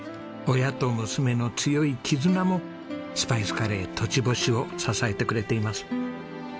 親と娘の強い絆もスパイスカレー栃星を支えてくれています。